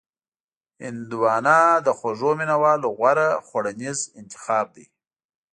هندوانه د خوږو مینوالو غوره خوړنیز انتخاب دی.